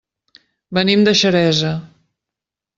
Venim de Xeresa.